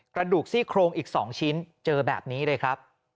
กระดูกซี่โครงอีก๒ชิ้นเจอแบบนี้เลยครับ